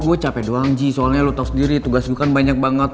gua capek doang ji soalnya lu tahu sendiri tugas gua kan banyak banget